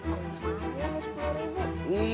kok emang emas sepuluh